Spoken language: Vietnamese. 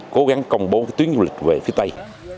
cố gắng công bố cái tuyến du lịch về phía tây